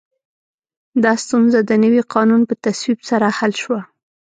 دا ستونزه د نوي قانون په تصویب سره حل شوه.